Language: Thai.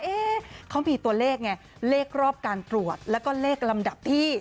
เอ๊ะเขามีตัวเลขไงเลขรอบการตรวจแล้วก็เลขลำดับที่